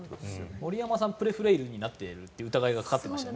森山さん、プレフレイルになりかかっているという疑いがかかってましたね。